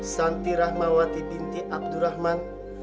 santi rahmawati binti abdurrahman